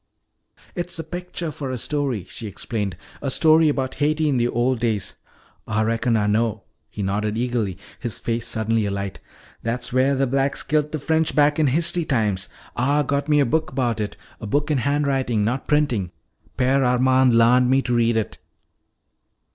"It's a picture for a story," she explained. "A story about Haiti in the old days " "Ah reckon Ah know," he nodded eagerly, his face suddenly alight. "That's wheah th' blacks kilt th' French back in history times. Ah got me a book 'bout it. A book in handwritin', not printin'. Père Armand larned me to read it."